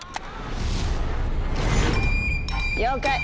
了解！